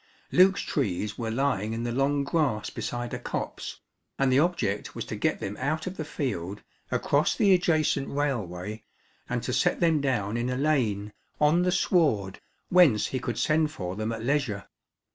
Luke's trees were lying in the long grass beside a copse, and the object was to get them out of the field, across the adjacent railway, and to set them down in a lane, on the sward, whence he could send for them at leisure.